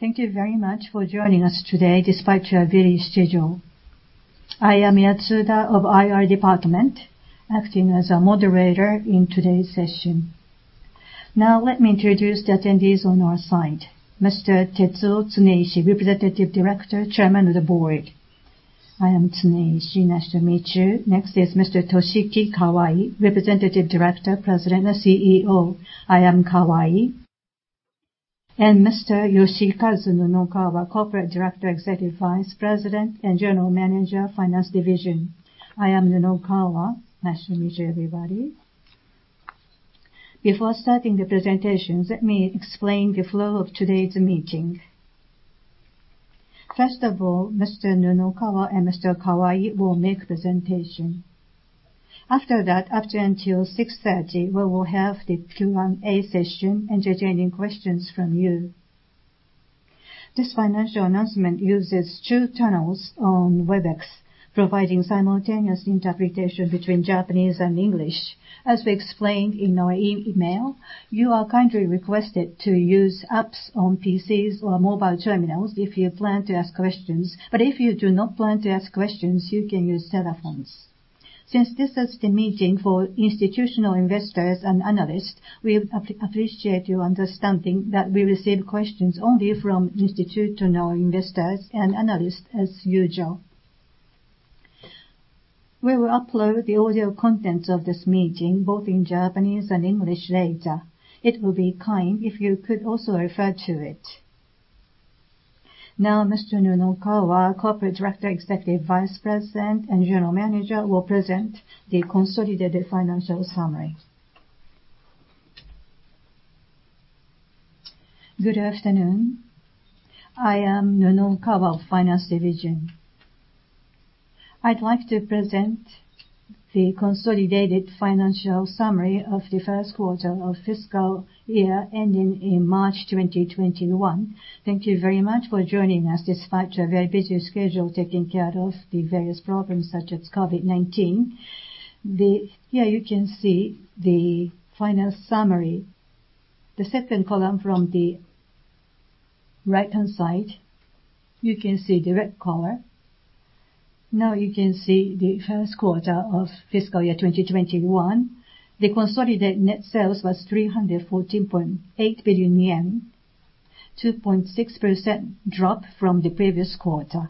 Thank you very much for joining us today despite your busy schedule. I am Yatsuda of IR Department, acting as a moderator in today's session. Now, let me introduce the attendees on our side. Mr. Tetsuo Tsuneishi, Representative Director, Chairman of the Board. I am Tsuneishi. Nice to meet you. Next is Mr. Toshiki Kawai, Representative Director, President and CEO. I am Kawai. Mr. Yoshikazu Nunokawa, Corporate Director, Executive Vice President and General Manager, Finance Division. I am Nunokawa. Nice to meet you, everybody. Before starting the presentation, let me explain the flow of today's meeting. First of all, Mr. Nunokawa and Mr. Kawai will make presentation. After that, up until 6:30 P.M., we will have the Q&A session, entertaining questions from you. This financial announcement uses two channels on Webex, providing simultaneous interpretation between Japanese and English. As we explained in our email, you are kindly requested to use apps on PCs or mobile terminals if you plan to ask questions. If you do not plan to ask questions, you can use telephones. Since this is the meeting for institutional investors and analysts, we appreciate your understanding that we receive questions only from institutional investors and analysts as usual. We will upload the audio contents of this meeting, both in Japanese and English later. It will be kind if you could also refer to it. Now, Mr. Nunokawa, Corporate Director, Executive Vice President and General Manager will present the consolidated financial summary. Good afternoon. I am Nunokawa of Finance Division. I'd like to present the consolidated financial summary of the first quarter of fiscal year ending in March 2021. Thank you very much for joining us despite your very busy schedule, taking care of the various problems such as COVID-19. Here you can see the finance summary. The second column from the right-hand side, you can see the red color. You can see the first quarter of fiscal year 2021. The consolidated net sales was 314.8 billion yen, 2.6% drop from the previous quarter.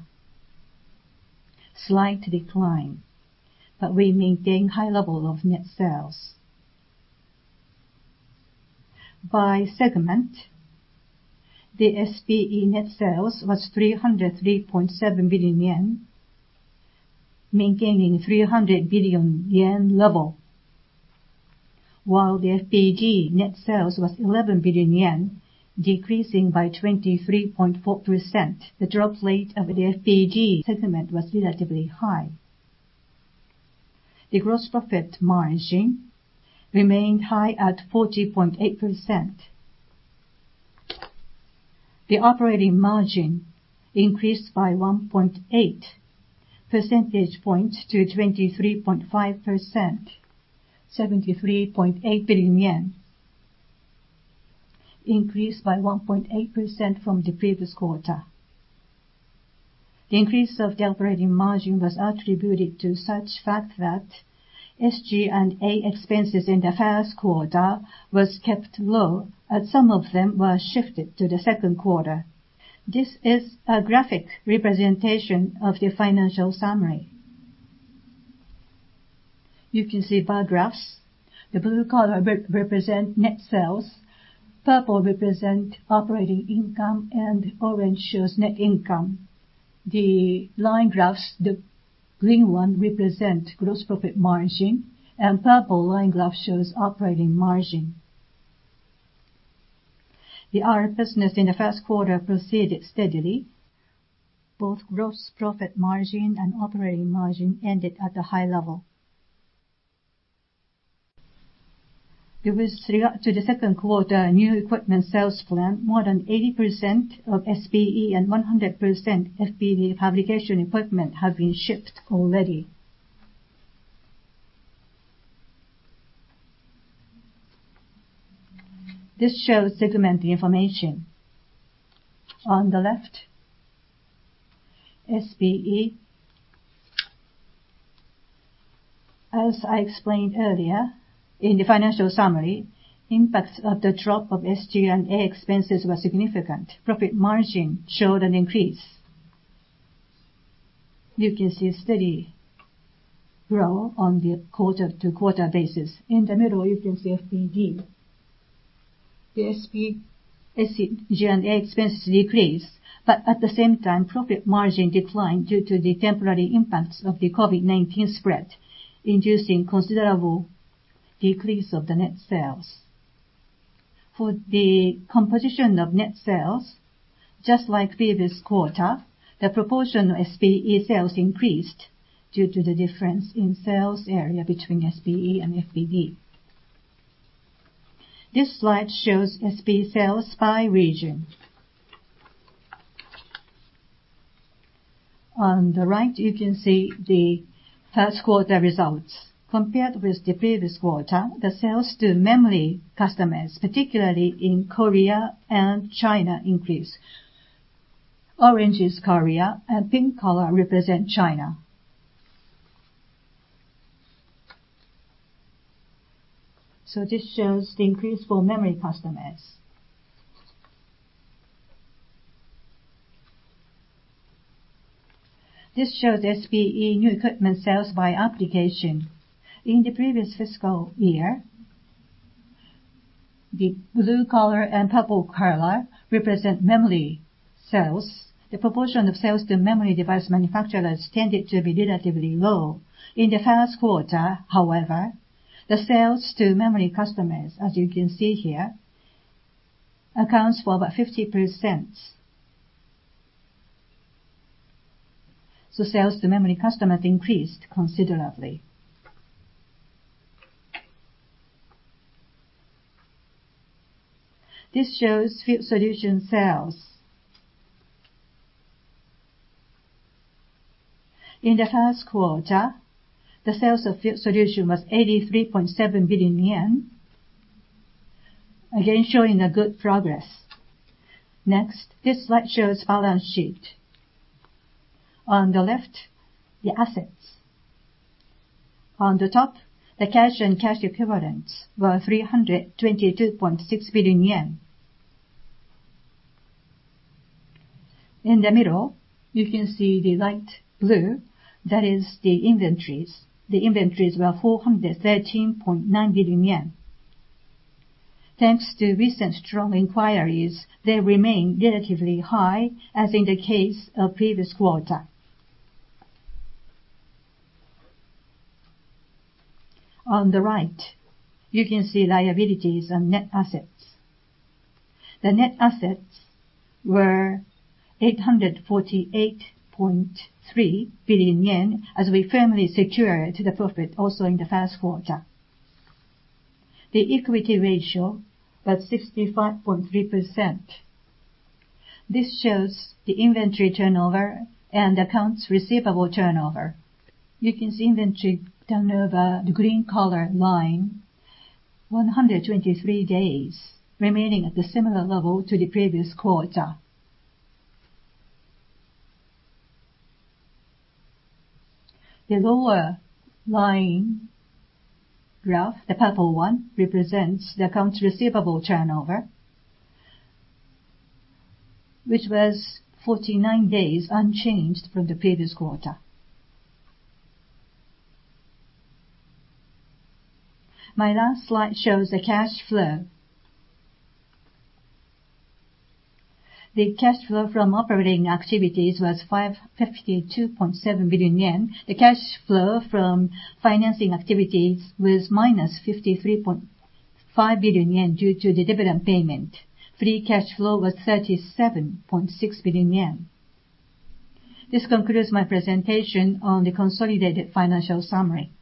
Slight decline, we maintain high level of net sales. By segment, the SPE net sales was 303.7 billion yen, maintaining 300 billion yen level. The FPD net sales was 11 billion yen, decreasing by 23.4%. The drop rate of the FPD segment was relatively high. The gross profit margin remained high at 40.8%. The operating margin increased by 1.8 percentage points to 23.5%, 73.8 billion yen. Increased by 1.8% from the previous quarter. The increase of the operating margin was attributed to such fact that SG&A expenses in the first quarter was kept low. Some of them were shifted to the second quarter. This is a graphic representation of the financial summary. You can see bar graphs. The blue color represent net sales, purple represent operating income. Orange shows net income. The line graphs, the green one represent gross profit margin. Purple line graph shows operating margin. The other business in the first quarter proceeded steadily. Both gross profit margin and operating margin ended at a high level. With regard to the second quarter new equipment sales plan, more than 80% of SPE and 100% FPD fabrication equipment have been shipped already. This shows segment information. On the left, SPE. As I explained earlier in the financial summary, impacts of the drop of SG&A expenses were significant. Profit margin showed an increase. You can see a steady grow on the quarter-to-quarter basis. In the middle, you can see FPD. The SG&A expense decrease, but at the same time, profit margin declined due to the temporary impacts of the COVID-19 spread, inducing considerable decrease of the net sales. For the composition of net sales, just like previous quarter, the proportion of SPE sales increased due to the difference in sales area between SPE and FPD. This slide shows SPE sales by region. On the right, you can see the first quarter results. Compared with the previous quarter, the sales to memory customers, particularly in Korea and China, increased. Orange is Korea and pink color represent China. This shows the increase for memory customers. This shows SPE new equipment sales by application. In the previous fiscal year, the blue color and purple color represent memory sales. The proportion of sales to memory device manufacturers tended to be relatively low. In the first quarter, the sales to memory customers, as you can see here, accounts for about 50%. Sales to memory customers increased considerably. This shows Field Solutions sales. In the first quarter, the sales of Field Solutions was 83.7 billion yen, again, showing a good progress. This slide shows balance sheet. On the left, the assets. On the top, the cash and cash equivalents were 322.6 billion yen. In the middle, you can see the light blue. That is the inventories. The inventories were 413.9 billion yen. Thanks to recent strong inquiries, they remain relatively high, as in the case of previous quarter. On the right, you can see liabilities and net assets. The net assets were 848.3 billion yen, as we firmly secured the profit also in the first quarter. The equity ratio was 65.3%. This shows the inventory turnover and accounts receivable turnover. You can see inventory turnover, the green color line, 123 days, remaining at a similar level to the previous quarter. The lower line graph, the purple one, represents the accounts receivable turnover, which was 49 days, unchanged from the previous quarter. My last slide shows the cash flow. The cash flow from operating activities was 552.7 billion yen. The cash flow from financing activities was minus 53.5 billion yen due to the dividend payment. Free cash flow was 37.6 billion yen. This concludes my presentation on the consolidated financial summary.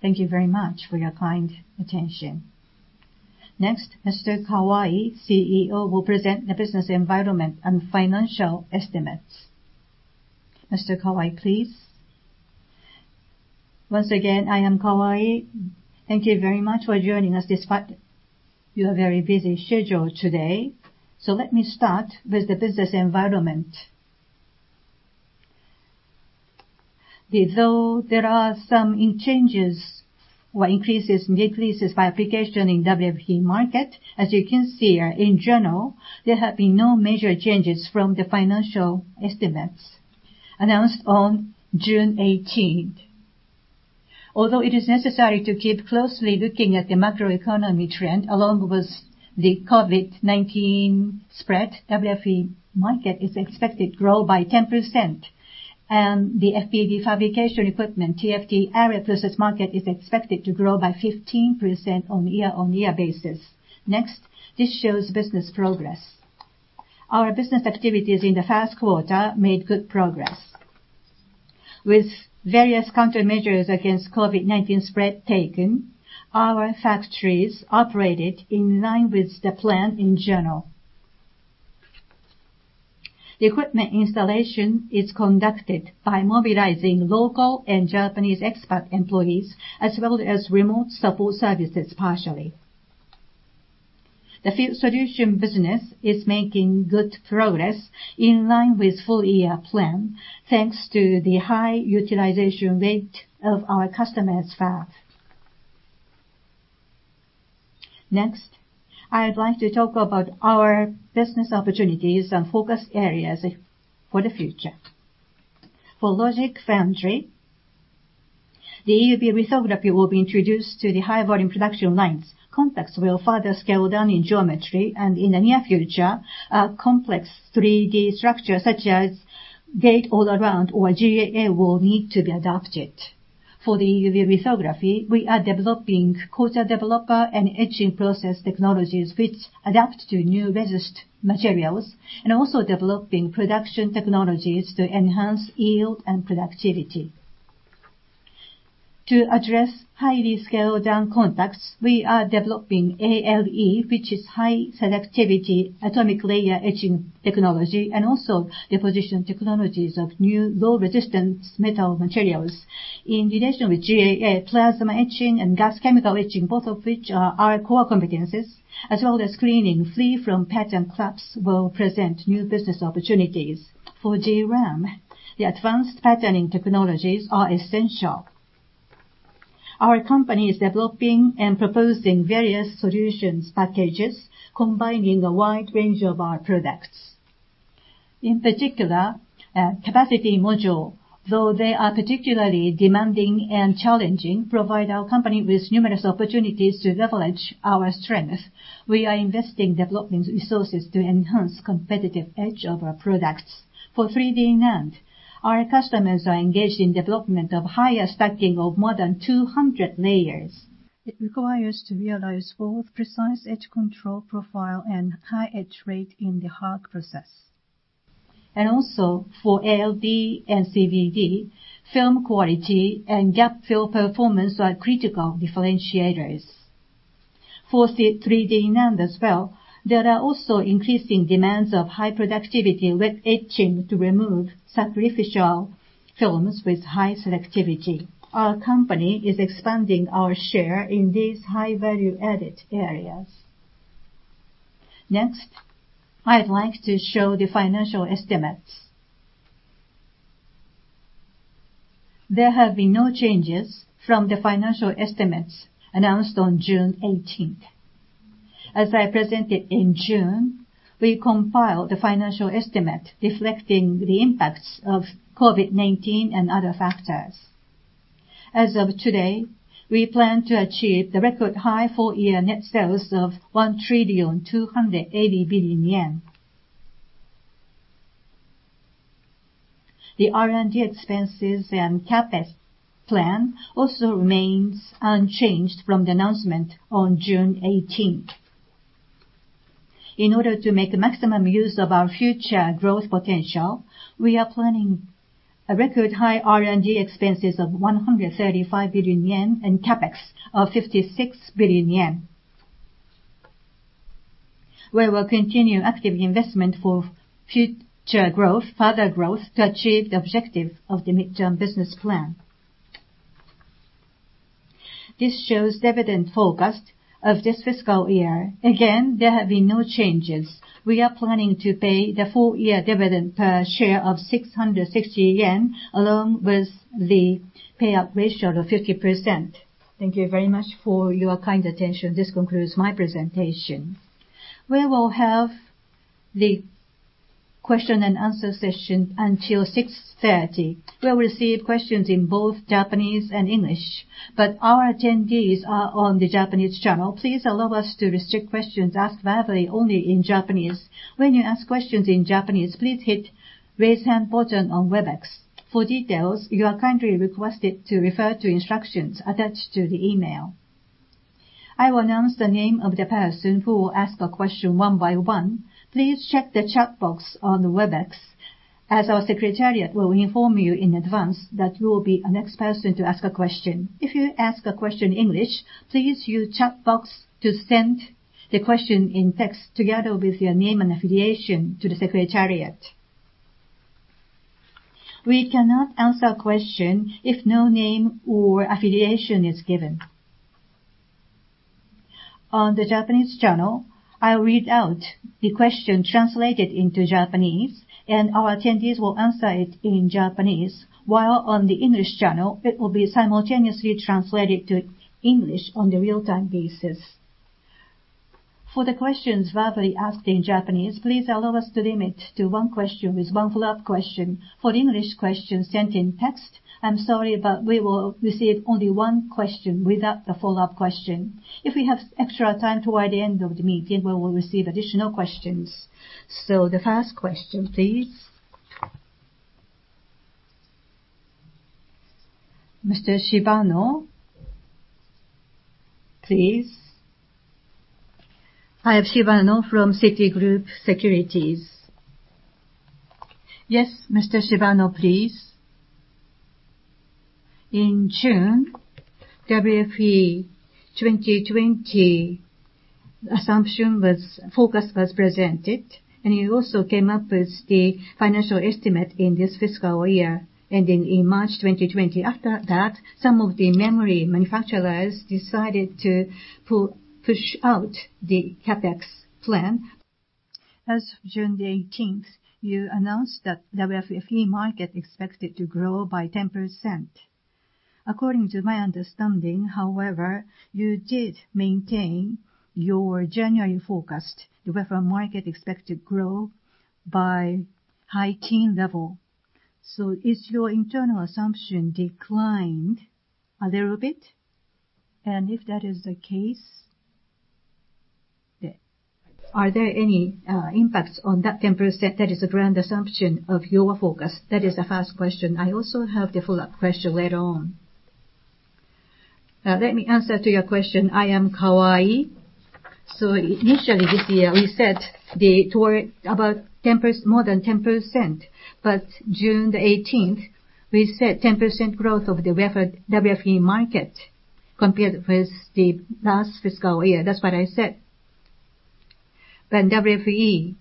Thank you very much for your kind attention. Next, Mr. Kawai, CEO, will present the business environment and financial estimates. Mr. Kawai, please. Once again, I am Kawai. Thank you very much for joining us despite your very busy schedule today. Let me start with the business environment. Although there are some changes, or increases and decreases, by application in WFE market, as you can see, in general, there have been no major changes from the financial estimates announced on June 18th. Although it is necessary to keep closely looking at the macroeconomy trend, along with the COVID-19 spread, WFE market is expected grow by 10%, and the FPD fabrication equipment, TFT array process market, is expected to grow by 15% on year-on-year basis. Next, this shows business progress. Our business activities in the first quarter made good progress. With various countermeasures against COVID-19 spread taken, our factories operated in line with the plan in general. The equipment installation is conducted by mobilizing local and Japanese expat employees, as well as remote support services partially. The Field Solutions business is making good progress in line with full-year plan, thanks to the high utilization rate of our customers' fab. Next, I would like to talk about our business opportunities and focus areas for the future. For logic foundry, EUV lithography will be introduced to the high-volume production lines. Contacts will further scale down in geometry, and in the near future, a complex 3D structure such as Gate-All-Around, or GAA, will need to be adopted. For the EUV lithography, we are developing coater developer and etching process technologies which adapt to new resist materials, and also developing production technologies to enhance yield and productivity. To address highly scaled-down contacts, we are developing ALE, which is high selectivity atomic layer etching technology, and also deposition technologies of new low-resistance metal materials. In addition with GAA plasma etching and gas chemical etching, both of which are our core competencies, as well as screening free from patent traps, will present new business opportunities. For DRAM, advanced patterning technologies are essential. Our company is developing and proposing various solution packages combining a wide range of our products. In particular, capacity module, though they are particularly demanding and challenging, provide our company with numerous opportunities to leverage our strength. We are investing development resources to enhance competitive edge of our products. For 3D NAND, our customers are engaged in development of higher stacking of more than 200 layers. It requires to realize both precise etch control profile and high etch rate in the HAR process. For ALD and CVD, film quality and gap fill performance are critical differentiators. For the 3D NAND as well, there are also increasing demands of high productivity with etching to remove sacrificial films with high selectivity. Our company is expanding our share in these high value-added areas. Next, I'd like to show the financial estimates. There have been no changes from the financial estimates announced on June 18th. As I presented in June, we compiled the financial estimate reflecting the impacts of COVID-19 and other factors. As of today, we plan to achieve the record high full-year net sales of 1 trillion 280 billion. The R&D expenses and CapEx plan also remains unchanged from the announcement on June 18th. In order to make maximum use of our future growth potential, we are planning a record high R&D expenses of 135 billion yen and CapEx of 56 billion yen. We will continue active investment for future growth to achieve the objective of the mid-term business plan. This shows dividend forecast of this fiscal year. Again, there have been no changes. We are planning to pay the full-year dividend per share of 660 yen, along with the payout ratio of 50%. Thank you very much for your kind attention. This concludes my presentation. We will have the question and answer session until 6:30. We'll receive questions in both Japanese and English, but our attendees are on the Japanese channel. Please allow us to restrict questions asked verbally only in Japanese. When you ask questions in Japanese, please hit raise hand button on Webex. For details, you are kindly requested to refer to instructions attached to the email. I will announce the name of the person who will ask a question one by one. Please check the chat box on the Webex, as our secretariat will inform you in advance that you will be the next person to ask a question. If you ask a question in English, please use chat box to send the question in text, together with your name and affiliation to the secretariat. We cannot answer a question if no name or affiliation is given. On the Japanese channel, I will read out the question translated into Japanese, and our attendees will answer it in Japanese. While on the English channel, it will be simultaneously translated to English on the real-time basis. For the questions verbally asked in Japanese, please allow us to limit to one question with one follow-up question. For English questions sent in text, I am sorry, but we will receive only one question without the follow-up question. If we have extra time toward the end of the meeting, we will receive additional questions. The first question, please. Mr. Shibano, please. I am Shibano from Citigroup Securities. Yes, Mr. Shibano, please. In June, WFE 2020 assumption forecast was presented, and you also came up with the financial estimate in this fiscal year, ending in March 2020. After that, some of the memory manufacturers decided to push out the CapEx plan. As of June 18th, you announced that WFE market expected to grow by 10%. According to my understanding, you did maintain your January forecast, the WFE market expected to grow by high teen level. Has your internal assumption declined a little bit? If that is the case, are there any impacts on that 10% that is a grand assumption of your forecast? That is the first question. I also have the follow-up question later on. Let me answer to your question. I am Kawai. Initially this year we said toward more than 10%, June 18th, we said 10% growth of the WFE market compared with the last fiscal year. That's what I said. WFE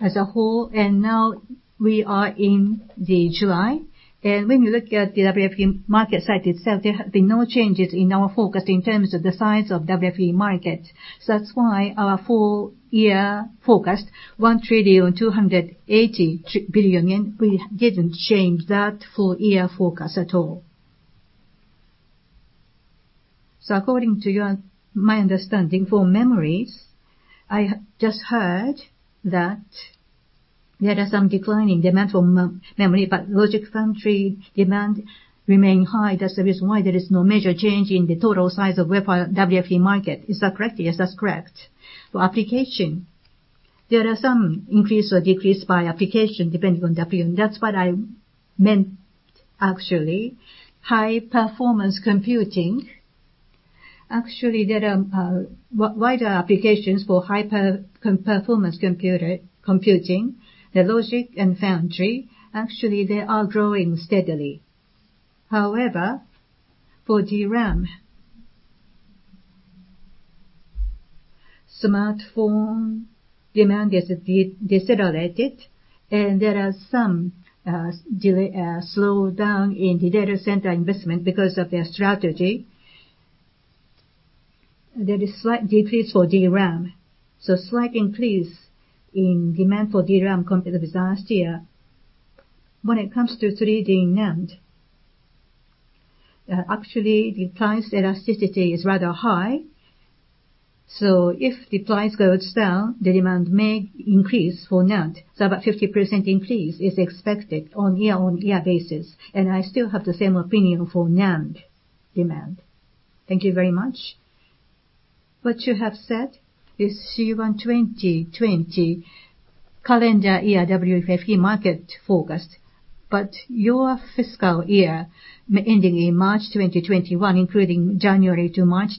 as a whole, now we are in July, when you look at the WFE market side itself, there have been no changes in our focus in terms of the size of WFE market. That's why our full year forecast, 1,280 billion yen, we didn't change that full year forecast at all. According to my understanding for memories, I just heard that there are some declining demand for memory, but logic foundry demand remain high. That's the reason why there is no major change in the total size of WFE market. Is that correct? Yes, that's correct. For application, there are some increase or decrease by application depending on WFE. That's what I meant actually. High performance computing, actually, there are wider applications for high-performance computing. The logic and foundry, actually, they are growing steadily. For DRAM, smartphone demand has decelerated, and there are some slowdown in the data center investment because of their strategy. There is slight decrease for DRAM, slight increase in demand for DRAM compared with last year. When it comes to 3D NAND, actually the price elasticity is rather high, if the price goes down, the demand may increase for NAND. About 50% increase is expected on year-on-year basis, I still have the same opinion for NAND demand. Thank you very much. What you have said is CY 2020 calendar year WFE market forecast, your fiscal year ending in March 2021, including January to March.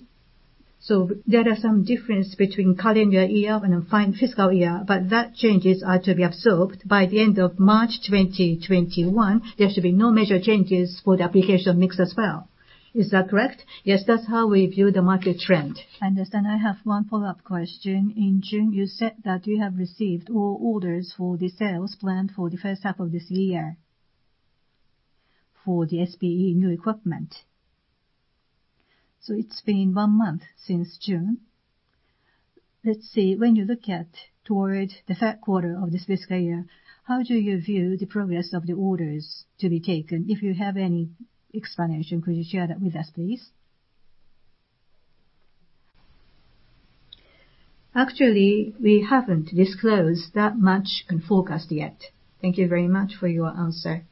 There are some difference between calendar year and fiscal year, that changes are to be absorbed by the end of March 2021. There should be no major changes for the application mix as well. Is that correct? Yes. That's how we view the market trend. I understand. I have one follow-up question. In June, you said that you have received all orders for the sales plan for the first half of this year for the SPE new equipment. It's been one month since June. Let's see. When you look at toward the third quarter of this fiscal year, how do you view the progress of the orders to be taken? If you have any explanation, could you share that with us, please? Actually, we haven't disclosed that much in forecast yet. Thank you very much for your answer.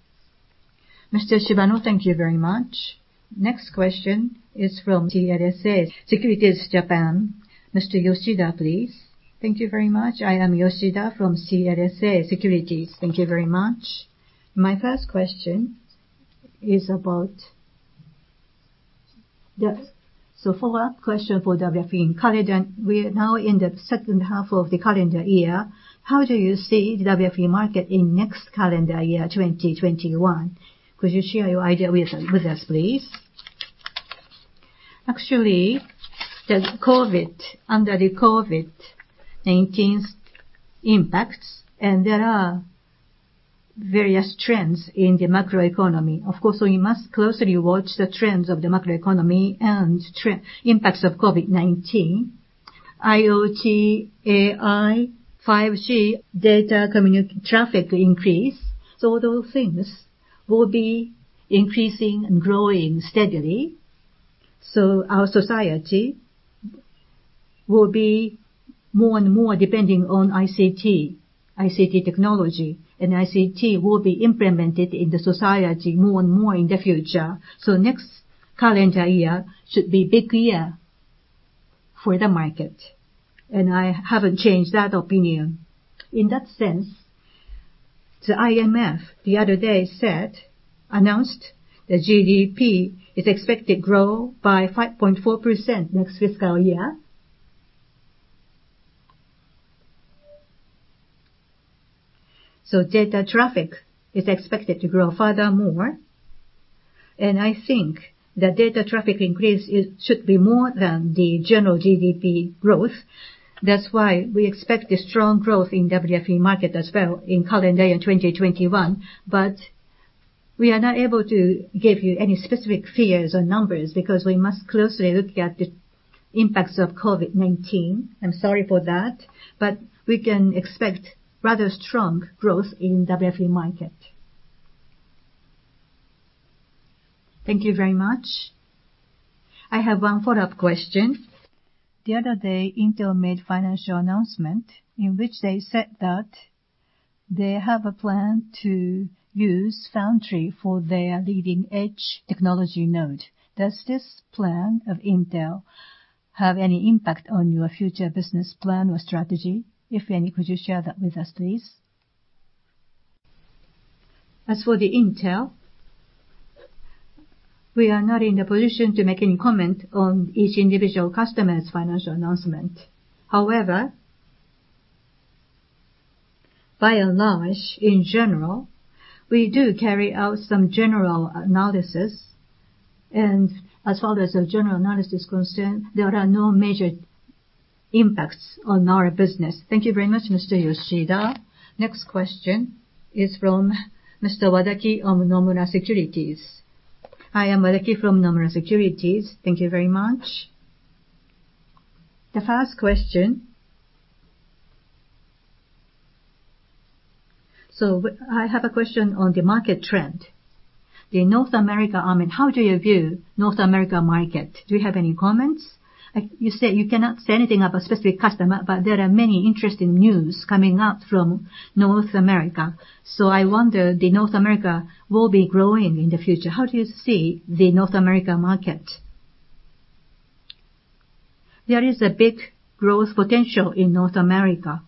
Mr. Shibano, thank you very much. Next question is from CLSA Securities Japan. Mr. Yoshida, please. Thank you very much. I am Yoshida from CLSA Securities. Thank you very much. My first question is about the follow-up question for WFE in calendar. We are now in the second half of the calendar year. How do you see the WFE market in next calendar year, 2021? Could you share your idea with us, please? Under the COVID-19 impacts, there are various trends in the macroeconomy. Of course, we must closely watch the trends of the macroeconomy and impacts of COVID-19, IoT, AI, 5G data traffic increase. Those things will be increasing and growing steadily. Our society will be more and more depending on ICT technology, and ICT will be implemented in the society more and more in the future. Next calendar year should be big year for the market, and I haven't changed that opinion. In that sense, the IMF, the other day announced the GDP is expected grow by 5.4% next fiscal year. Data traffic is expected to grow furthermore, and I think the data traffic increase should be more than the general GDP growth. That's why we expect a strong growth in WFE market as well in calendar year 2021. We are not able to give you any specific figures or numbers because we must closely look at the impacts of COVID-19. I'm sorry for that. We can expect rather strong growth in WFE market. Thank you very much. I have one follow-up question. The other day, Intel made financial announcement in which they said that they have a plan to use foundry for their leading edge technology node. Does this plan of Intel have any impact on your future business plan or strategy? If any, could you share that with us, please? As for Intel, we are not in a position to make any comment on each individual customer's financial announcement. However, by and large, in general, we do carry out some general analysis, and as far as our general analysis is concerned, there are no major impacts on our business. Thank you very much, Mr. Yoshida. Next question is from Mr. Wadaki of Nomura Securities. I am Wadaki from Nomura Securities. Thank you very much. The first question, I have a question on the market trend. The North America, how do you view North America market? Do you have any comments? You said you cannot say anything about specific customer, but there are many interesting news coming out from North America. I wonder, the North America will be growing in the future. How do you see the North America market? There is a big growth potential in North America.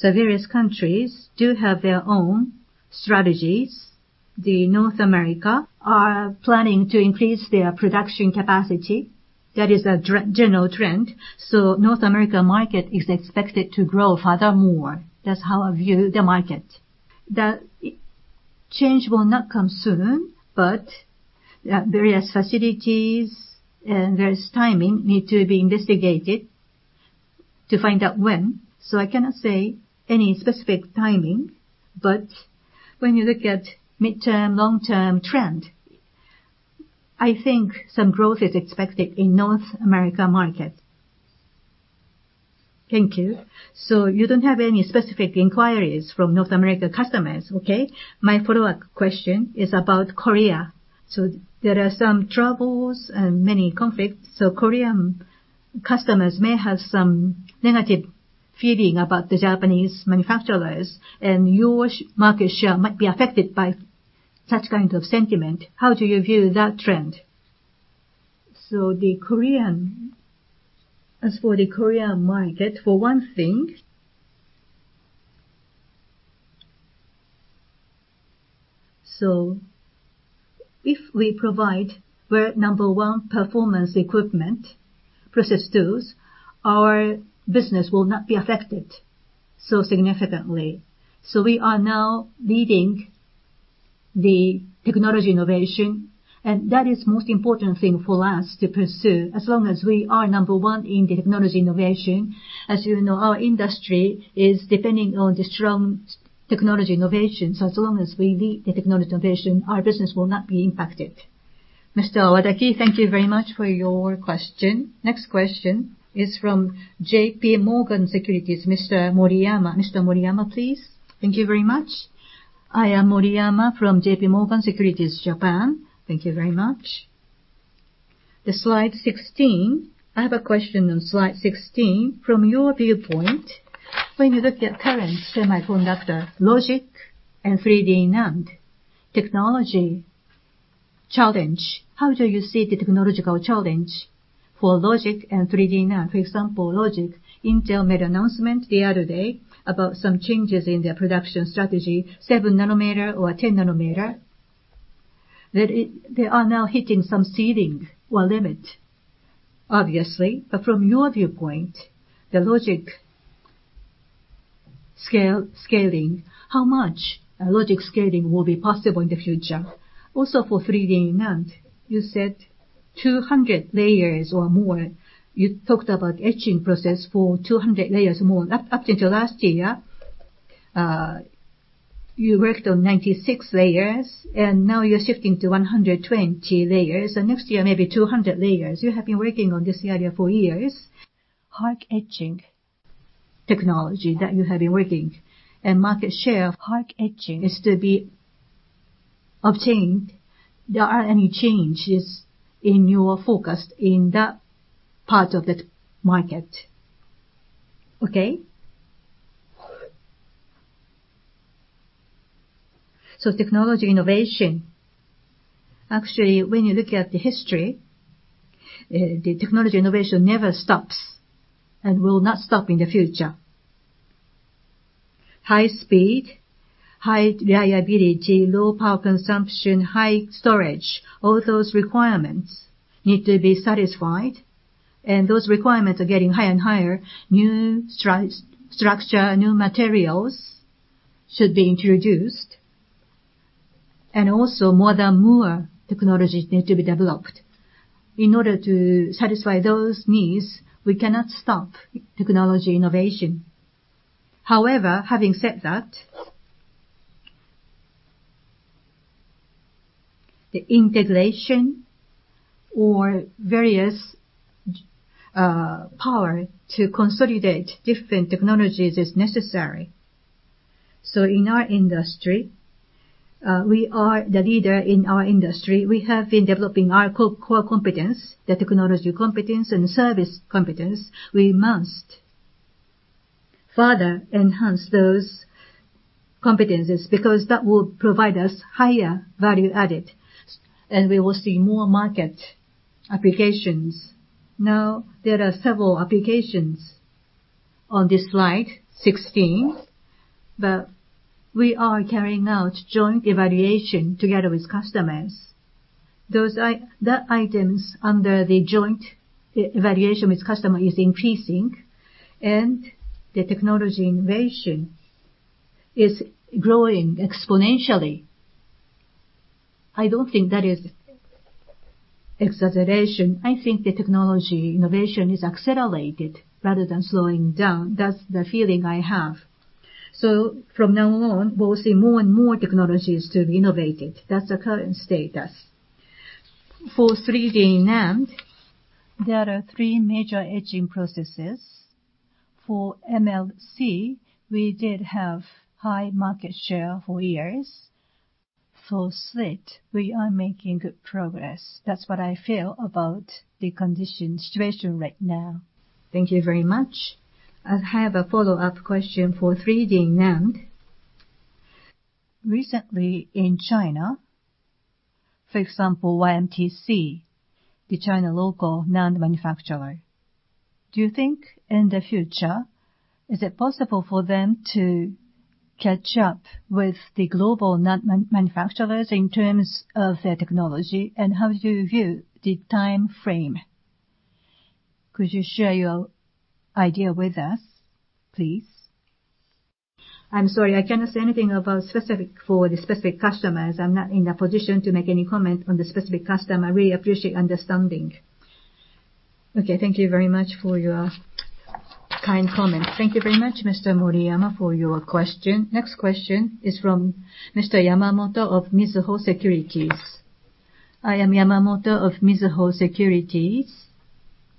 Various countries do have their own strategies. North America are planning to increase their production capacity. That is a general trend. North America market is expected to grow furthermore. That's how I view the market. The change will not come soon, but various facilities and various timing need to be investigated to find out when. I cannot say any specific timing, but when you look at midterm, long-term trend, I think some growth is expected in North America market. Thank you. You don't have any specific inquiries from North America customers, okay. My follow-up question is about Korea. There are some troubles and many conflicts. Korean customers may have some negative feeling about the Japanese manufacturers, and your market share might be affected by such kind of sentiment. How do you view that trend? As for the Korean market, for one thing, if we provide number one performance equipment, process tools, our business will not be affected so significantly. We are now leading the technology innovation, and that is most important thing for us to pursue. As long as we are number one in the technology innovation, as you know, our industry is depending on the strong technology innovation. As long as we lead the technology innovation, our business will not be impacted. Mr. Wadaki, thank you very much for your question. Next question is from JPMorgan Securities, Mr. Moriyama. Mr. Moriyama, please. Thank you very much. I am Moriyama from JPMorgan Securities, Japan. Thank you very much. The slide 16, I have a question on slide 16. From your viewpoint, when you look at current semiconductor logic and 3D NAND technology challenge, how do you see the technological challenge for logic and 3D NAND? For example, logic, Intel made announcement the other day about some changes in their production strategy, 7 nanometer or a 10 nanometer. They are now hitting some ceiling or limit, obviously. From your viewpoint, the logic scaling, how much logic scaling will be possible in the future? For 3D NAND, you said 200 layers or more. You talked about etching process for 200 layers or more. Up until last year, you worked on 96 layers, and now you're shifting to 120 layers, and next year, maybe 200 layers. You have been working on this area for years. HAR etching technology that you have been working and market share of HAR etching is to be obtained. There are any changes in your forecast in that part of that market? Okay. Technology innovation, actually, when you look at the history, the technology innovation never stops and will not stop in the future. High speed, high reliability, low power consumption, high storage, all those requirements need to be satisfied, and those requirements are getting higher and higher. New structure, new materials should be introduced, and also more and more technologies need to be developed. In order to satisfy those needs, we cannot stop technology innovation. However, having said that, the integration or various power to consolidate different technologies is necessary. In our industry, we are the leader in our industry. We have been developing our core competence, the technology competence and service competence. We must further enhance those competencies because that will provide us higher value added, and we will see more market applications. Now, there are several applications on this slide 16, that we are carrying out joint evaluation together with customers. The items under the joint evaluation with customer is increasing, and the technology innovation is growing exponentially. I don't think that is exaggeration. I think the technology innovation is accelerated rather than slowing down. That's the feeling I have. From now on, we'll see more and more technologies to be innovated. That's the current status. For 3D NAND, there are three major etching processes. For MLC, we did have high market share for years. For SLIT, we are making good progress. That's what I feel about the condition situation right now. Thank you very much. I have a follow-up question for 3D NAND. Recently in China, for example, YMTC, the China local NAND manufacturer. Do you think in the future, is it possible for them to catch up with the global NAND manufacturers in terms of their technology? How do you view the timeframe? Could you share your idea with us, please? I'm sorry, I cannot say anything about specific customers. I'm not in a position to make any comment on the specific customer. I really appreciate understanding. Okay. Thank you very much for your kind comments. Thank you very much, Mr. Moriyama, for your question. Next question is from Mr. Yamamoto of Mizuho Securities. I am Yamamoto of Mizuho Securities.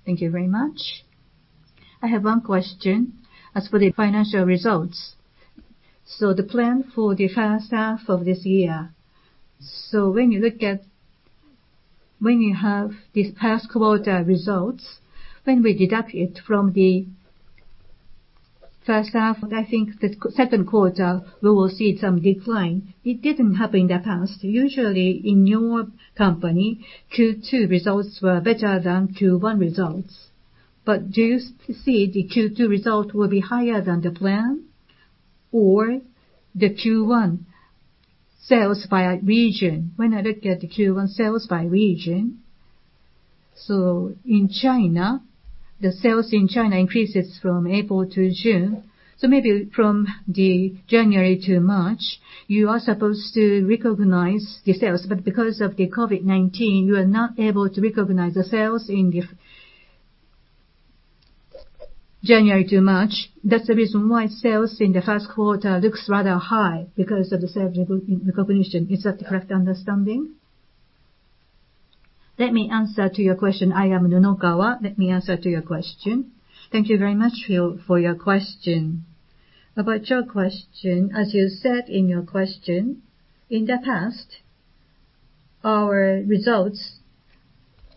Thank you very much. I have one question. As for the financial results, the plan for the first half of this year. When you have this past quarter results, when we deduct it from the first half, I think the second quarter, we will see some decline. It didn't happen in the past. Usually in your company, Q2 results were better than Q1 results. Do you see the Q2 result will be higher than the plan? Or the Q1 sales by region? When I look at the Q1 sales by region, in China, the sales in China increases from April to June. Maybe from the January to March, you are supposed to recognize the sales, but because of the COVID-19, you are not able to recognize the sales in the January to March. That's the reason why sales in the first quarter looks rather high because of the sales recognition. Is that the correct understanding? Let me answer to your question. I am Nunokawa. Let me answer to your question. Thank you very much for your question. About your question, as you said in your question, in the past, our results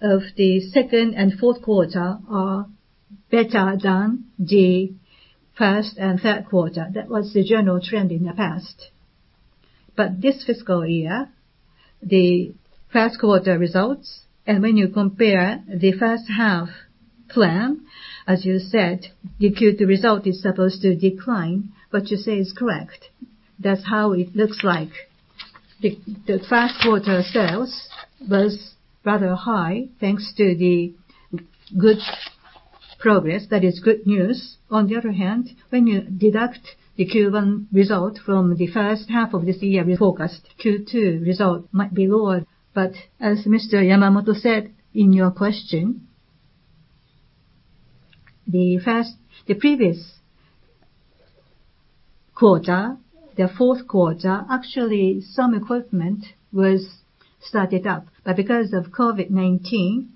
of the second and fourth quarter are better than the first and third quarter. That was the general trend in the past. This fiscal year, the first quarter results, and when you compare the first half plan, as you said, the Q2 result is supposed to decline. What you say is correct. That's how it looks like. The first quarter sales was rather high, thanks to the good progress. That is good news. On the other hand, when you deduct the Q1 result from the first half of this year, we forecast Q2 result might be lower. As Mr. Yamamoto said in your question, the previous quarter, the fourth quarter, actually, some equipment was started up, but because of COVID-19,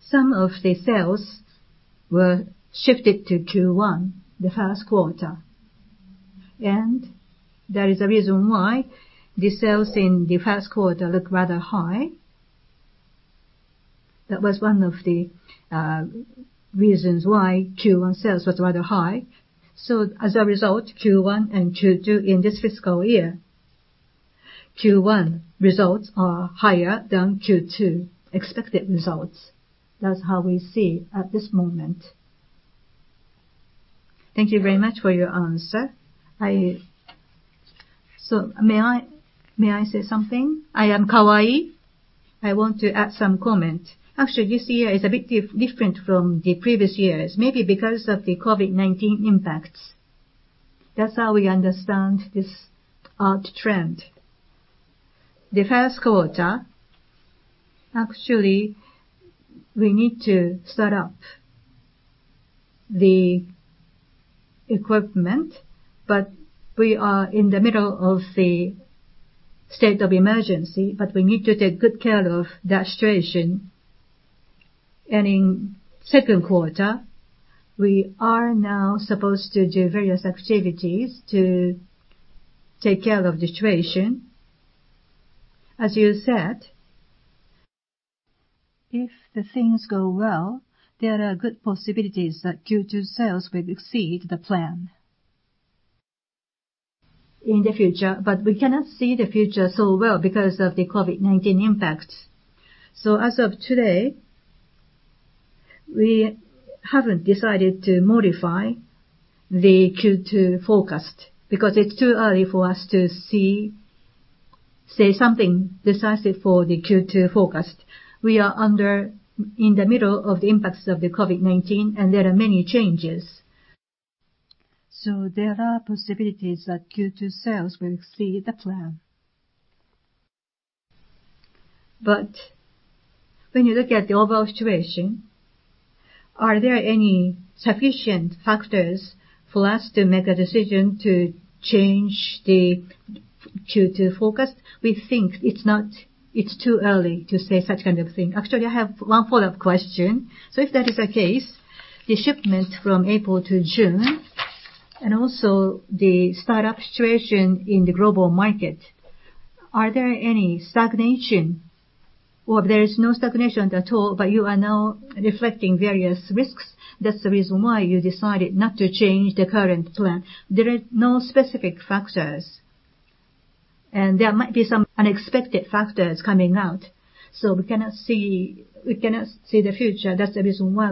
some of the sales were shifted to Q1, the first quarter. That is a reason why the sales in the first quarter look rather high. That was one of the reasons why Q1 sales was rather high. As a result, Q1 and Q2 in this fiscal year, Q1 results are higher than Q2 expected results. That's how we see at this moment. Thank you very much for your answer. May I say something? I am Kawai. I want to add some comment. Actually, this year is a bit different from the previous years, maybe because of the COVID-19 impacts. That's how we understand this odd trend. The first quarter, actually, we need to start up the equipment, but we are in the middle of the state of emergency, but we need to take good care of that situation. In second quarter, we are now supposed to do various activities to take care of the situation. As you said, if the things go well, there are good possibilities that Q2 sales will exceed the plan. In the future, we cannot see the future so well because of the COVID-19 impact. As of today, we haven't decided to modify the Q2 forecast because it's too early for us to say something decisive for the Q2 forecast. We are in the middle of the impacts of the COVID-19. There are many changes. There are possibilities that Q2 sales will exceed the plan. When you look at the overall situation, are there any sufficient factors for us to make a decision to change the Q2 forecast? We think it's too early to say such kind of thing. Actually, I have one follow-up question. If that is the case, the shipment from April to June, and also the startup situation in the global market, are there any stagnation? There is no stagnation at all, but you are now reflecting various risks. That's the reason why you decided not to change the current plan. There are no specific factors, and there might be some unexpected factors coming out. We cannot see the future. That's the reason why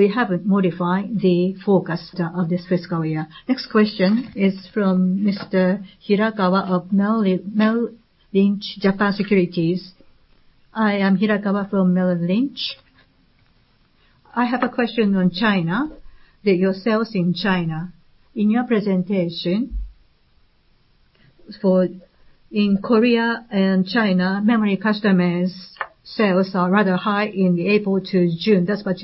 we haven't modified the forecast of this fiscal year. Next question is from Mr. Hirakawa of Merrill Lynch Japan Securities. I am Hirakawa from Merrill Lynch. I have a question on China, that your sales in China. In your presentation, in Korea and China, memory customers sales are rather high in the April to June. That's what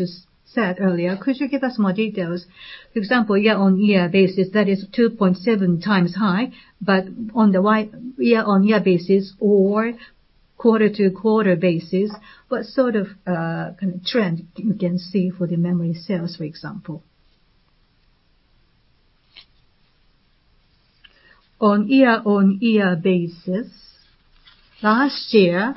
you said earlier. Could you give us more details? For example, year-on-year basis, that is 2.7x high. On the year-on-year basis or quarter-to-quarter basis, what sort of trend you can see for the memory sales, for example? On year-on-year basis, last year,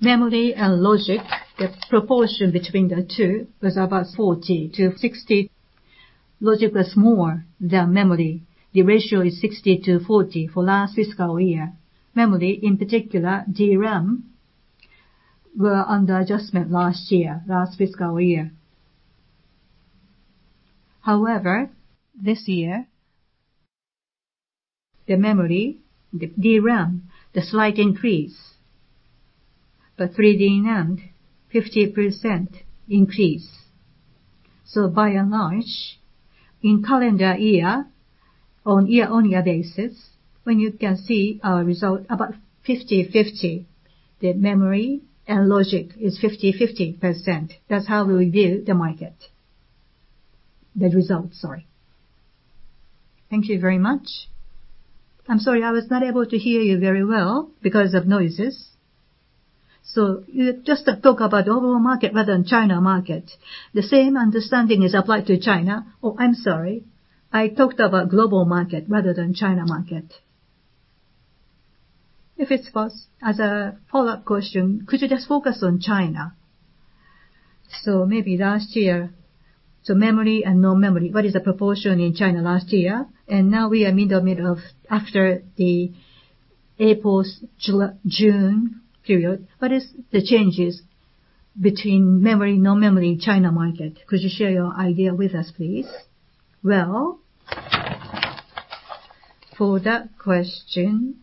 memory and logic, the proportion between the two was about 40-60. Logic was more than memory. The ratio is 60-40 for last fiscal year. Memory, in particular DRAM, were under adjustment last year, last fiscal year. However, this year, the memory, the DRAM, a slight increase, but 3D NAND, 50% increase. By and large, in calendar year, on year-on-year basis, when you can see our result, about 50/50. The memory and logic is 50/50%. That's how we view the market. The result, sorry. Thank you very much. I'm sorry, I was not able to hear you very well because of noises. You just talk about overall market rather than China market. The same understanding is applied to China? I'm sorry. I talked about global market rather than China market. If it was, as a follow-up question, could you just focus on China? Maybe last year, memory and no memory, what is the proportion in China last year? Now we are in the middle of after the April-June period, what is the changes between memory, no memory, China market? Could you share your idea with us, please? For that question.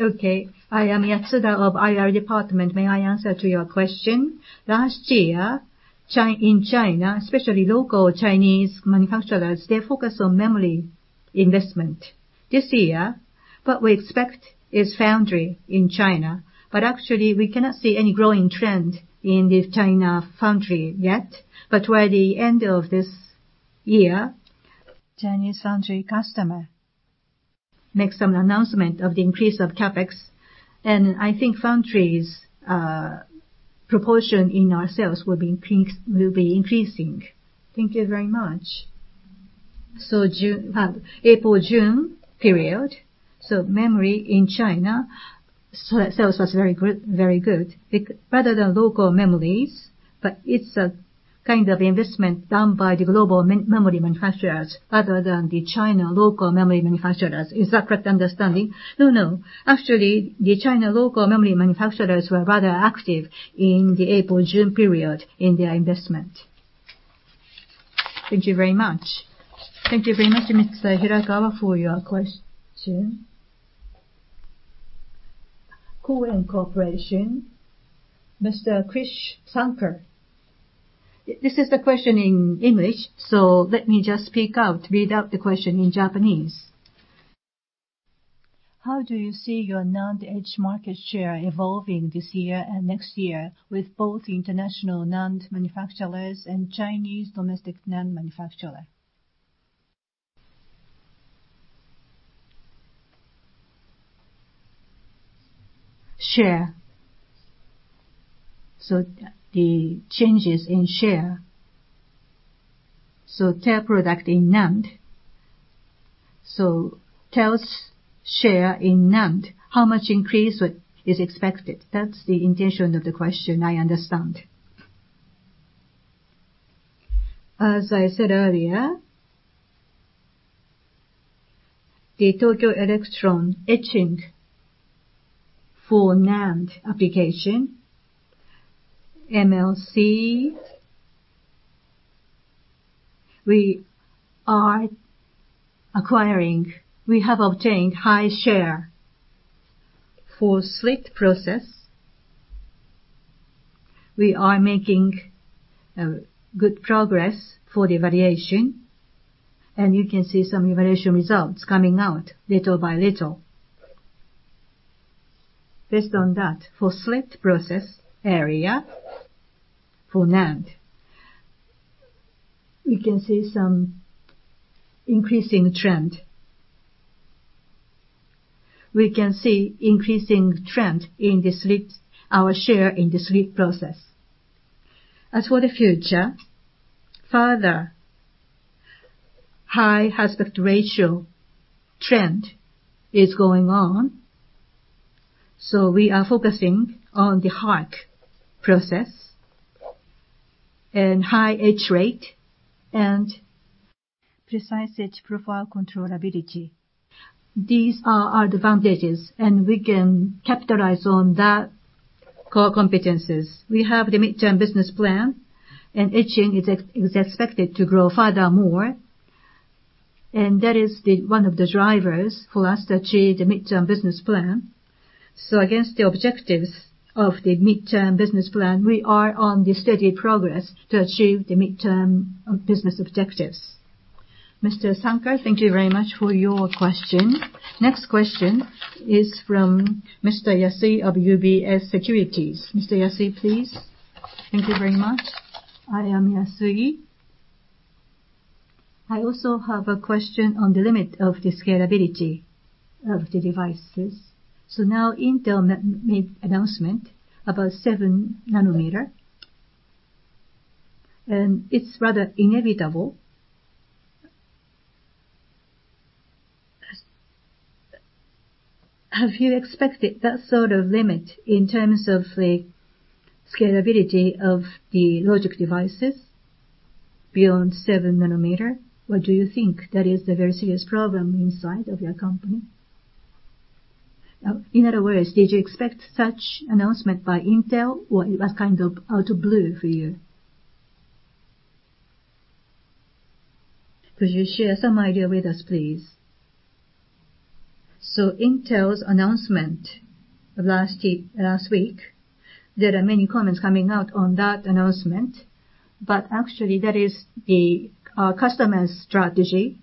Okay. I am Yatsuda of IR department. May I answer to your question? Last year, in China, especially local Chinese manufacturers, they focus on memory investment. This year, what we expect is foundry in China. Actually, we cannot see any growing trend in the China foundry yet. By the end of this year Chinese foundry customer make some announcement of the increase of CapEx, and I think foundry's proportion in our sales will be increasing. Thank you very much. April-June period, memory in China, sales was very good. Rather than local memories, but it's a kind of investment done by the global memory manufacturers rather than the China local memory manufacturers. Is that correct understanding? No, no. Actually, the China local memory manufacturers were rather active in the April-June period in their investment. Thank you very much. Thank you very much, Mr. Hirakawa, for your question. Cowen and Corporation, Mr. Krish Sankar. This is the question in English, let me just read out the question in Japanese. How do you see your NAND etch market share evolving this year and next year with both international NAND manufacturers and Chinese domestic NAND manufacturer? Share. The changes in share. TEL product in NAND. TEL share in NAND, how much increase is expected? That's the intention of the question, I understand. As I said earlier, the Tokyo Electron etching for NAND application, MLC, we are acquiring. We have obtained high share for SLIT process. We are making good progress for the evaluation, and you can see some evaluation results coming out little by little. Based on that, for SLIT process area, for NAND, we can see some increasing trend. We can see increasing trend in our share in the SLIT process. As for the future, further high aspect ratio trend is going on. We are focusing on the HARC process, and high etch rate, and precise etch profile controllability. These are our advantages, and we can capitalize on that core competencies. We have the midterm business plan, and etching is expected to grow furthermore, and that is one of the drivers for us to achieve the midterm business plan. Against the objectives of the midterm business plan, we are on the steady progress to achieve the midterm business objectives. Mr. Sankar, thank you very much for your question. Next question is from Mr. Yasui of UBS Securities. Mr. Yasui, please. Thank you very much. I am Yasui. I also have a question on the limit of the scalability of the devices. Now Intel made announcement about 7 nanometer, and it's rather inevitable. Have you expected that sort of limit in terms of the scalability of the logic devices beyond 7 nanometer? Or do you think that is the very serious problem inside of your company? In other words, did you expect such announcement by Intel, or it was kind of out of blue for you? Could you share some idea with us, please? Intel's announcement last week, there are many comments coming out on that announcement, but actually that is the customer's strategy.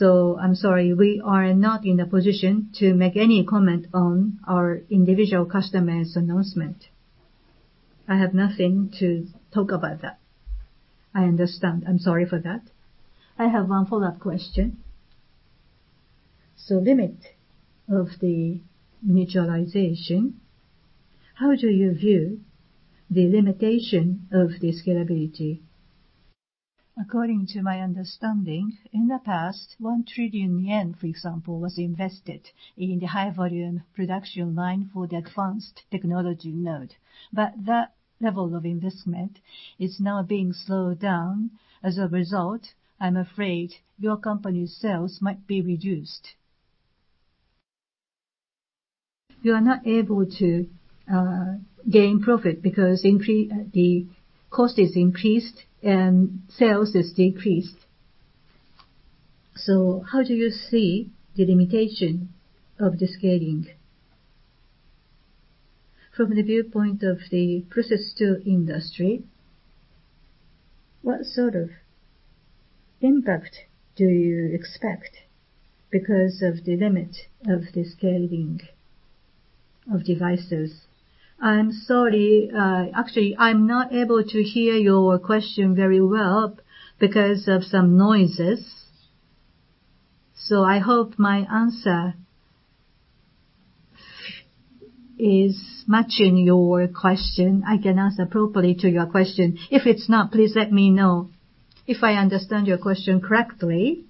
I'm sorry, we are not in a position to make any comment on our individual customer's announcement. I have nothing to talk about that. I understand. I'm sorry for that. I have one follow-up question. Limit of the miniaturization, how do you view the limitation of the scalability? According to my understanding, in the past, 1 trillion yen, for example, was invested in the high volume production line for the advanced technology node. That level of investment is now being slowed down. As a result, I'm afraid your company's sales might be reduced. You are not able to gain profit because the cost is increased and sales is decreased. How do you see the limitation of the scaling? From the viewpoint of the process tool industry, what sort of impact do you expect because of the limit of the scaling of devices? I'm sorry. Actually, I'm not able to hear your question very well because of some noises, so I hope my answer is matching your question. I can answer properly to your question. If it's not, please let me know. If I understand your question correctly,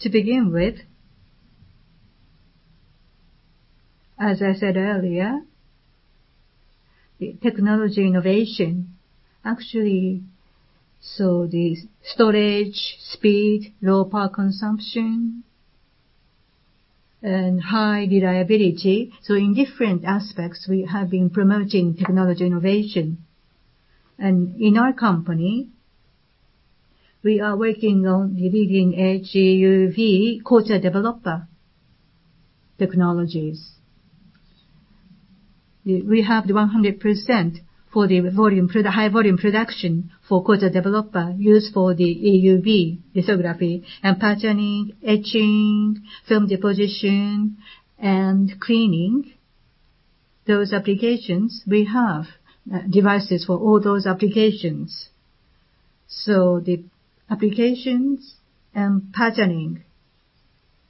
to begin with, as I said earlier, the technology innovation, actually, so the storage, speed, low power consumption, and high reliability. In different aspects, we have been promoting technology innovation. In our company, we are working on the leading-edge EUV Coater/Developer technologies. We have the 100% for the high volume production for Coater/Developer used for the EUV lithography and patterning, etching, film deposition, and cleaning. Those applications, we have devices for all those applications. The applications and patterning,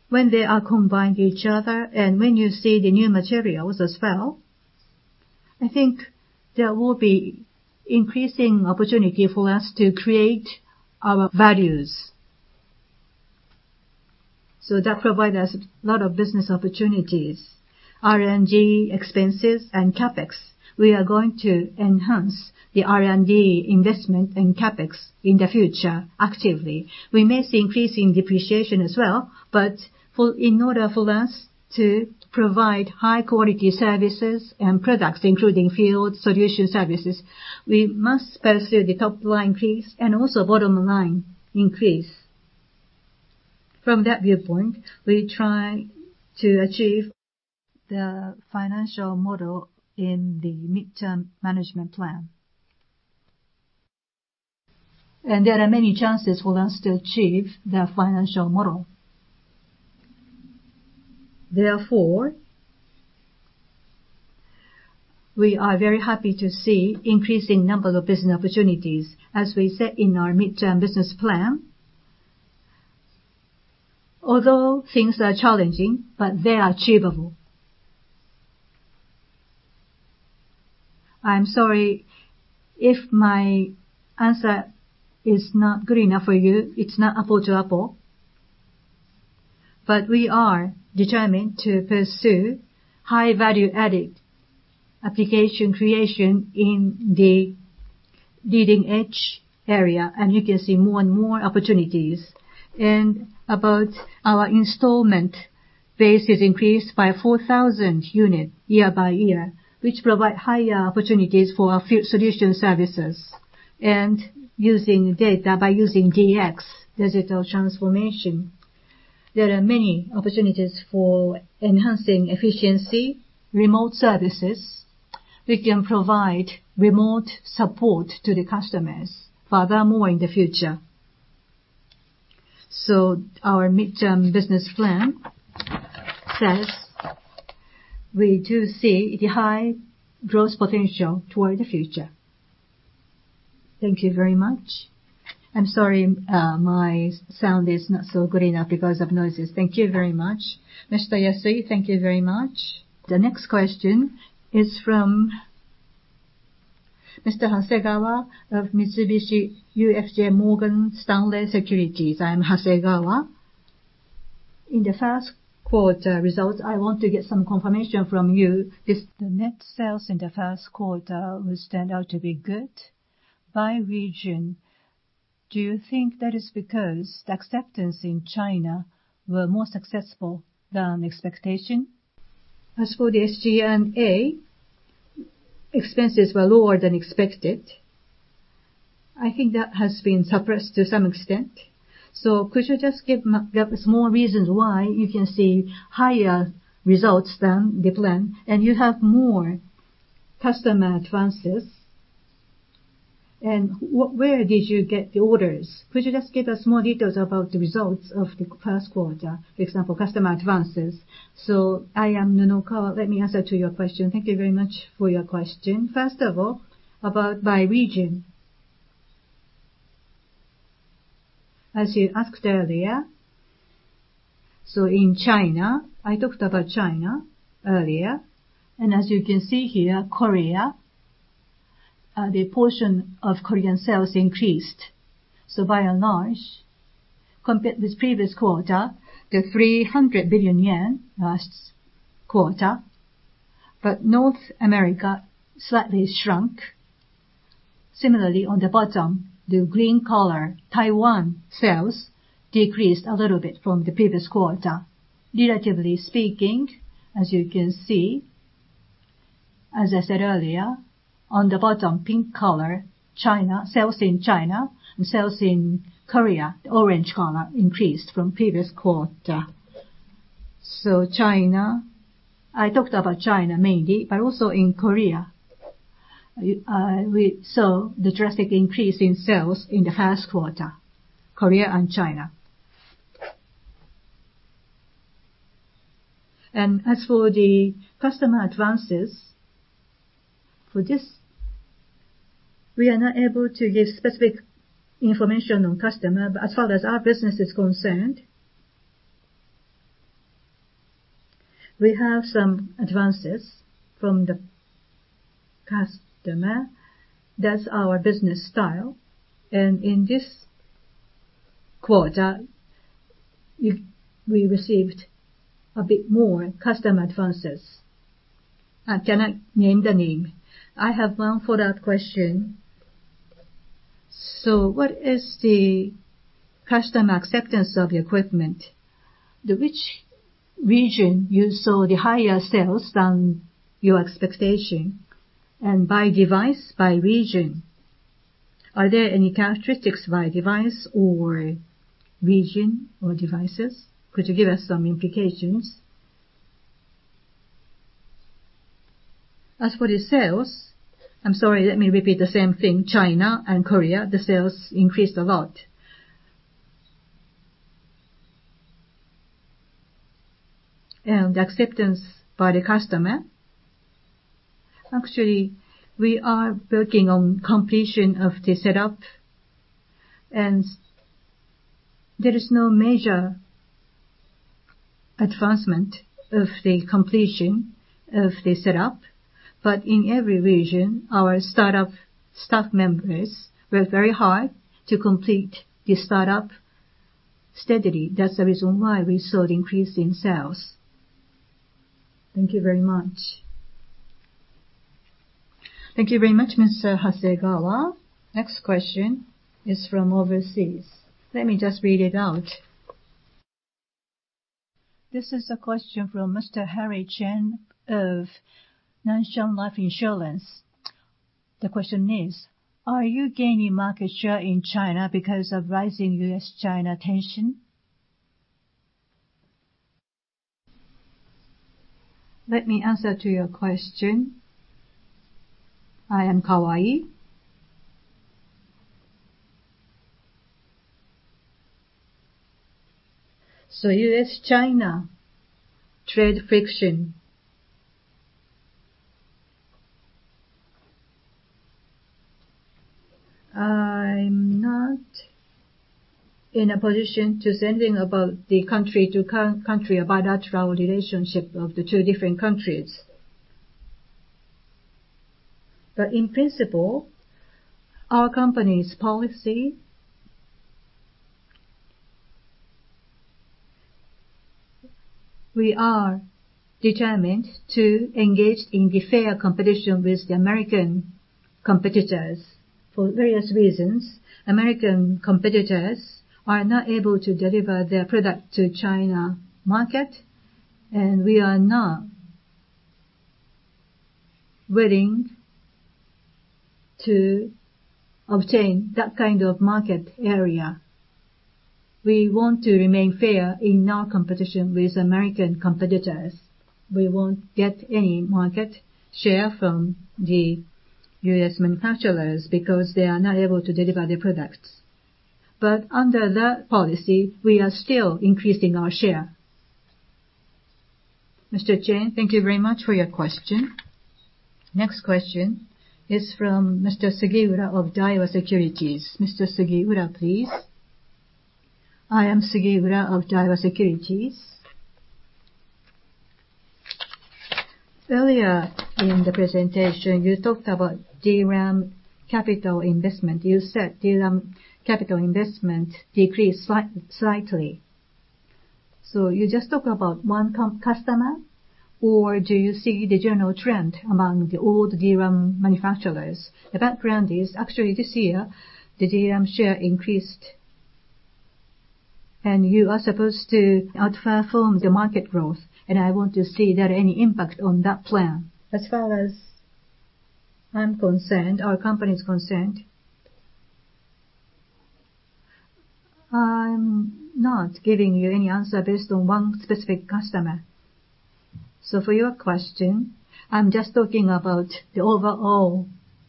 when they are combined each other, and when you see the new materials as well, I think there will be increasing opportunity for us to create our values. That provide us a lot of business opportunities. R&D expenses and CapEx, we are going to enhance the R&D investment and CapEx in the future actively. We may see increase in depreciation as well, but in order for us to provide high-quality services and products, including Field Solutions services, we must pursue the top-line increase and also bottom-line increase. From that viewpoint, we try to achieve the financial model in the midterm management plan. There are many chances for us to achieve the financial model. Therefore, we are very happy to see increasing number of business opportunities, as we said in our midterm business plan. Although things are challenging, but they are achievable. I'm sorry if my answer is not good enough for you. It's not apple to apple. We are determined to pursue high value-added application creation in the leading edge area, and you can see more and more opportunities. About our installment base is increased by 4,000 unit year-by-year, which provide higher opportunities for our Field Solutions services. Using data, by using DX, digital transformation, there are many opportunities for enhancing efficiency, remote services. We can provide remote support to the customers furthermore in the future. Our midterm business plan says we do see the high growth potential toward the future. Thank you very much. I'm sorry, my sound is not so good enough because of noises. Thank you very much. Mr. Yasui, thank you very much. The next question is from Mr. Hasegawa of Mitsubishi UFJ Morgan Stanley Securities. I am Hasegawa. In the first quarter results, I want to get some confirmation from you. The net sales in the first quarter would turn out to be good by region. Do you think that is because the acceptance in China were more successful than expectation? As for the SG&A, expenses were lower than expected. I think that has been suppressed to some extent. Could you just give us more reasons why you can see higher results than the plan, and you have more customer advances? Where did you get the orders? Could you just give us more details about the results of the first quarter, for example, customer advances? I am Nunokawa. Let me answer to your question. Thank you very much for your question. About by region. As you asked earlier, in China, I talked about China earlier. As you can see here, Korea, the portion of Korean sales increased. By and large, compared with previous quarter, the 300 billion yen last quarter. North America slightly shrunk. Similarly, on the bottom, the green color, Taiwan sales decreased a little bit from the previous quarter. Relatively speaking, as you can see, as I said earlier, on the bottom, pink color, sales in China, and sales in Korea, the orange color, increased from previous quarter. China, I talked about China mainly, but also in Korea, we saw the drastic increase in sales in the first quarter, Korea and China. As for the customer advances, for this, we are not able to give specific information on customer. As far as our business is concerned, we have some advances from the customer. That's our business style. In this quarter, we received a bit more customer advances. I cannot name the name. I have one follow-up question. What is the customer acceptance of the equipment? Which region you saw the higher sales than your expectation? By device, by region, are there any characteristics by device or region or devices? Could you give us some implications? As for the sales, I'm sorry, let me repeat the same thing. China and Korea, the sales increased a lot. Acceptance by the customer, actually, we are working on completion of the setup, and there is no major advancement of the completion of the setup. In every region, our startup staff members worked very hard to complete the startup steadily. That's the reason why we saw the increase in sales. Thank you very much. Thank you very much, Mr. Hasegawa. Next question is from overseas. Let me just read it out. This is a question from Mr. Harry Chen of Nippon Life Insurance. The question is: are you gaining market share in China because of rising U.S.-China tension? Let me answer to your question. I am Kawai. U.S.-China trade friction. I'm not in a position to say anything about the country, about our relationship of the two different countries. In principle, our company's policy, we are determined to engage in the fair competition with the American competitors. For various reasons, American competitors are not able to deliver their product to China market. We are not willing to obtain that kind of market area. We want to remain fair in our competition with American competitors. We won't get any market share from the U.S. manufacturers because they are not able to deliver the products. Under that policy, we are still increasing our share. Mr. Chen, thank you very much for your question. Next question is from Mr. Sugiura of Daiwa Securities. Mr. Sugiura, please. I am Sugiura of Daiwa Securities. Earlier in the presentation, you talked about DRAM capital investment. You said DRAM capital investment decreased slightly. You just talk about one customer, or do you see the general trend among all DRAM manufacturers? The background is, actually this year, the DRAM share increased. You are supposed to outperform the market growth, and I want to see that any impact on that plan. As far as I'm concerned, our company's concerned, I'm not giving you any answer based on one specific customer. For your question, I'm just talking about the overall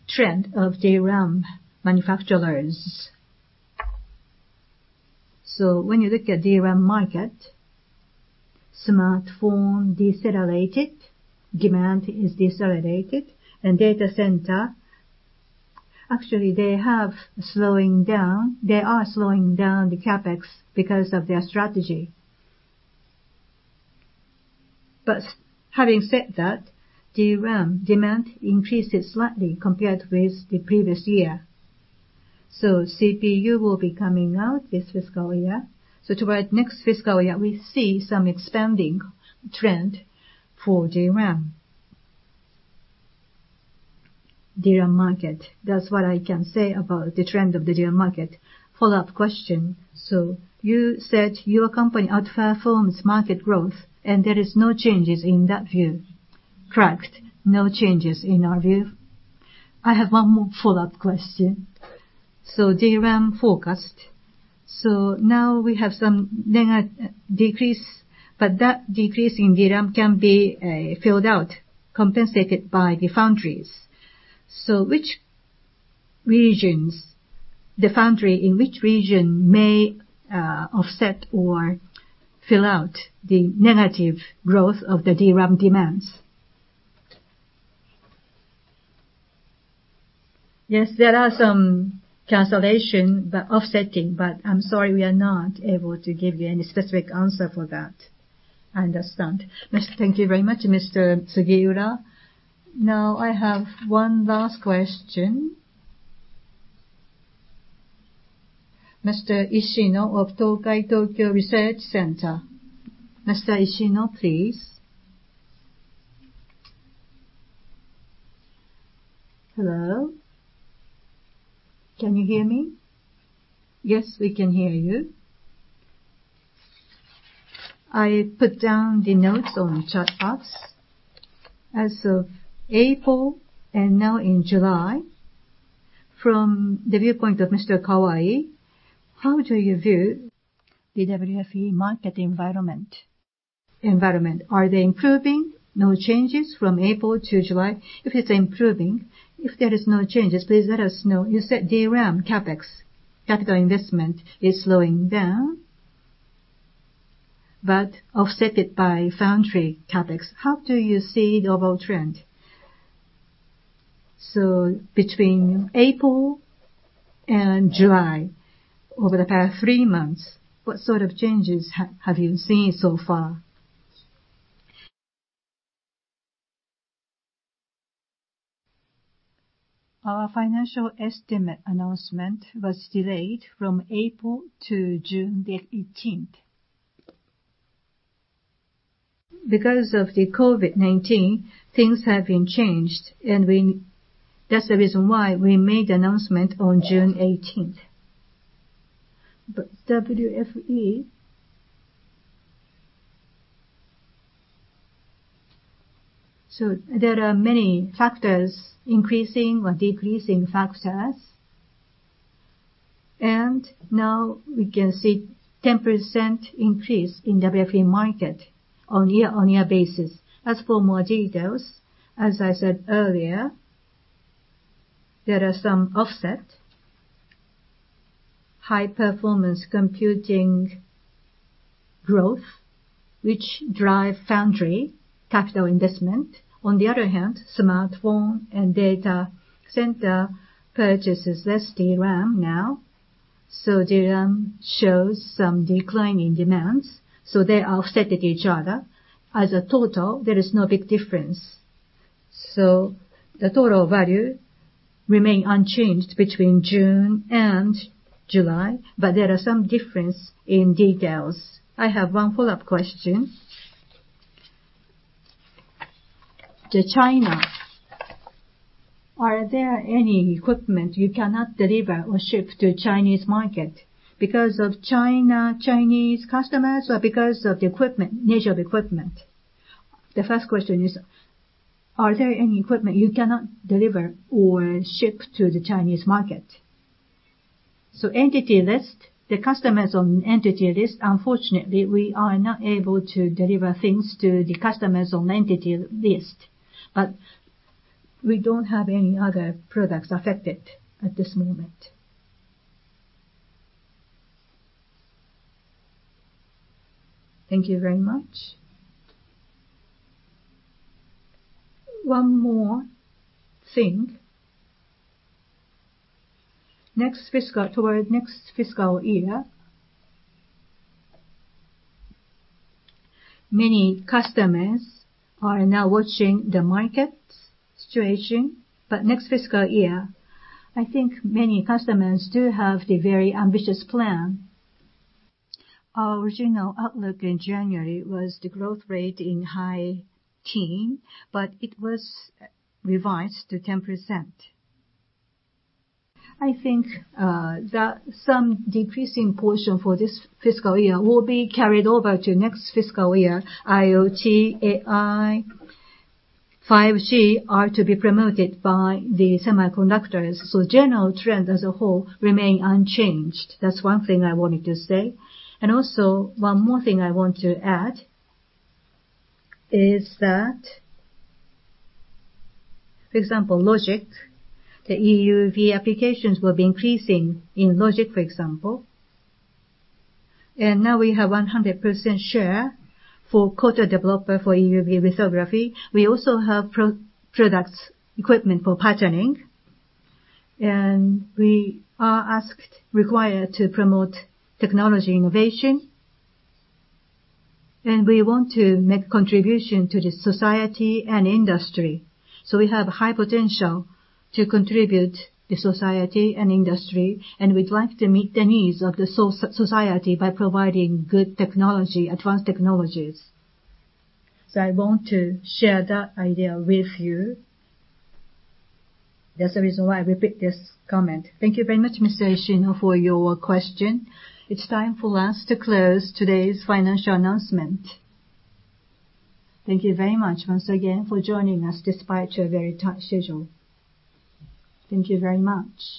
trend of DRAM manufacturers. When you look at DRAM market, smartphone decelerated, demand is decelerated. Data center, actually, they are slowing down the CapEx because of their strategy. Having said that, DRAM demand increases slightly compared with the previous year. CPU will be coming out this fiscal year. Toward next fiscal year, we see some expanding trend for DRAM. DRAM market. That's what I can say about the trend of the DRAM market. Follow-up question. You said your company outperforms market growth and there is no changes in that view. Correct. No changes in our view. I have one more follow-up question. DRAM forecast. Now we have some decrease, but that decrease in DRAM can be filled out, compensated by the foundries. The foundry in which region may offset or fill out the negative growth of the DRAM demands? Yes, there are some cancellation, but offsetting, but I'm sorry, we are not able to give you any specific answer for that. I understand. Thank you very much, Mr. Sugiura. Now I have one last question. Mr. Ishino of Tokai Tokyo Research Center. Mr. Ishino, please. Hello? Can you hear me? Yes, we can hear you. I put down the notes on chat box. As of April and now in July, from the viewpoint of Mr. Kawai, how do you view the WFE market environment? Are they improving? No changes from April to July? If it's improving, if there is no changes, please let us know. You said DRAM CapEx, capital investment, is slowing down, but offset it by foundry CapEx. How do you see the overall trend? Between April and July, over the past three months, what sort of changes have you seen so far? Our financial estimate announcement was delayed from April to June 18th. Because of the COVID-19, things have been changed, and that's the reason why we made the announcement on June 18th. WFE. There are many factors, increasing or decreasing factors. Now we can see 10% increase in WFE market on year-on-year basis. As for more details, as I said earlier, there are some offset high-performance computing growth, which drive foundry capital investment. Smartphone and data center purchases less DRAM now, DRAM shows some decline in demands, they offset each other. There is no big difference. The total value remain unchanged between June and July, there are some difference in details. I have one follow-up question. To China, are there any equipment you cannot deliver or ship to Chinese market because of Chinese customers or because of the nature of equipment? The first question is, are there any equipment you cannot deliver or ship to the Chinese market? Entity List. The customers on Entity List, unfortunately, we are not able to deliver things to the customers on Entity List. We don't have any other products affected at this moment. Thank you very much. One more thing. Toward next fiscal year, many customers are now watching the market situation. Next fiscal year, I think many customers do have the very ambitious plan. Our original outlook in January was the growth rate in high-teen, but it was revised to 10%. I think that some decreasing portion for this fiscal year will be carried over to next fiscal year. IoT, AI, 5G are to be promoted by the semiconductors. General trend as a whole remain unchanged. That's one thing I wanted to say. One more thing I want to add is that, for example, logic, the EUV applications will be increasing in logic, for example. Now we have 100% share for Coater/Developer for EUV lithography. We also have products equipment for patterning, and we are required to promote technology innovation. We want to make contribution to the society and industry. We have high potential to contribute the society and industry, and we'd like to meet the needs of the society by providing good technology, advanced technologies. I want to share that idea with you. That's the reason why I repeat this comment. Thank you very much, Mr. Ishino, for your question. It's time for us to close today's financial announcement. Thank you very much once again for joining us despite your very tight schedule. Thank you very much.